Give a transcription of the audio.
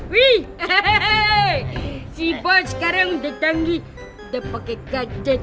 wih si bos sekarang udah tanggi udah pake gadget